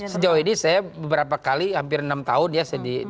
sejauh ini saya beberapa kali hampir enam tahun ya